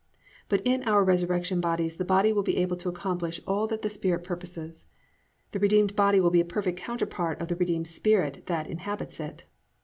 "+ But in our resurrection bodies the body will be able to accomplish all that the spirit purposes. The redeemed body will be a perfect counterpart of the redeemed spirit that inhabits it.